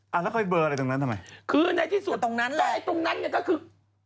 แล้วเขาไปเบอร์อะไรตรงนั้นทำไมคือในที่สุดตรงนั้นก็คือ